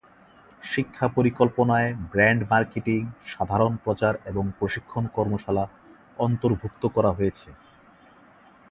শিক্ষা পরিকল্পনায় brand marketing, সাধারণ প্রচার এবং প্রশিক্ষণ কর্মশালা অন্তর্ভুক্ত করা হয়েছে।